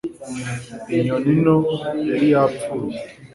inyoni nto yari yapfuye